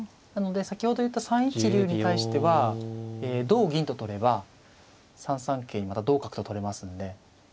なので先ほど言った３一竜に対しては同銀と取れば３三桂にまた同角と取れますんで。